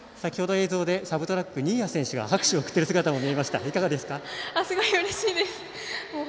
映像でサブトラック新谷選手が拍手を送っている姿もすごくうれしいです。